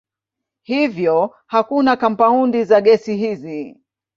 Hivyo hakuna kampaundi za gesi hizi.